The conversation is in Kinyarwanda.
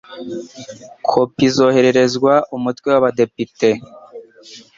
kopi zohererezwa umutwe w abadepite